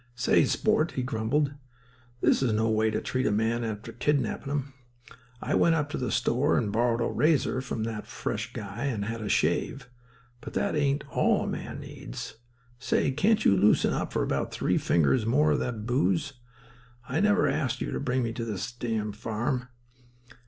"Say, sport," he grumbled. "This is no way to treat a man after kidnappin' him. I went up to the store and borrowed a razor from that fresh guy and had a shave. But that ain't all a man needs. Say—can't you loosen up for about three fingers more of that booze? I never asked you to bring me to your d—d farm."